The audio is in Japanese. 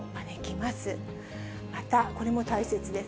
また、これも大切です。